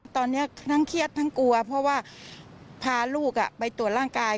ตอนนี้ทั้งเครียดทั้งกลัวเพราะว่าพาลูกไปตรวจร่างกาย